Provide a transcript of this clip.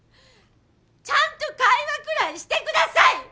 ちゃんと会話くらいしてください！